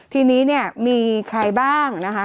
ทีนี้เนี่ยมีใครบ้างนะคะ